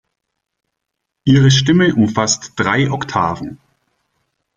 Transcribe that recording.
Ihre Stimme umfasst drei Oktaven.